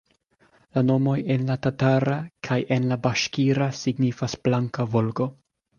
La nomoj en la tatara kaj en la baŝkira signifas "blanka Volgo".